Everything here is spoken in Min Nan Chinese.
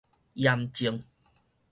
鹽政